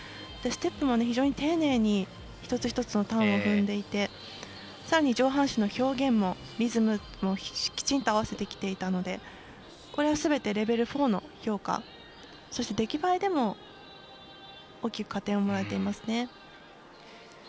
ステップも非常に丁寧に一つ一つのターンをしていてさらに上半身の表現もリズムもきちんと合わせてきていたのでこれはすべてレベル４の評価そして出来栄えでも大きく加点をもらえていますね。